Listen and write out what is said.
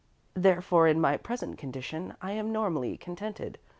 "Therefore, in my present condition, I am normally contented.